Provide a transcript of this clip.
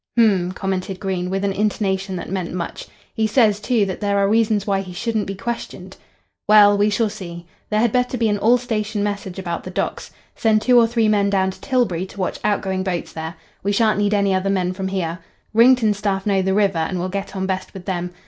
"H'm," commented Green, with an intonation that meant much. "He says, too, that there are reasons why he shouldn't be questioned." "Well, we shall see. There had better be an all station message about the docks. Send two or three men down to Tilbury to watch outgoing boats there. We shan't need any other men from here. Wrington's staff know the river, and will get on best with them.